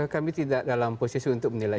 kami tidak dalam posisi untuk menilai